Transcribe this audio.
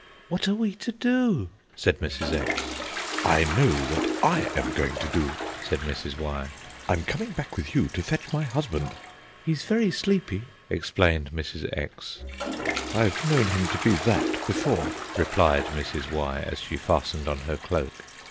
"What are we to do?" said Mrs. X. "I know what I am going to do," said Mrs. Y. "I'm coming back with you to fetch my husband." "He's very sleepy," explained Mrs. X. "I've known him to be that before," replied Mrs. Y., as she fastened on her cloak.